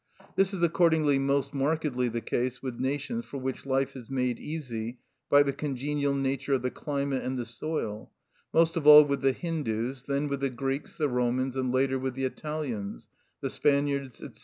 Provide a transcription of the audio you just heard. This is accordingly most markedly the case with nations for which life is made easy by the congenial nature of the climate and the soil, most of all with the Hindus, then with the Greeks, the Romans, and later with the Italians, the Spaniards, &c.